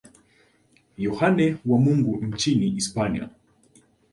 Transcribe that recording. Yohane wa Mungu nchini Hispania.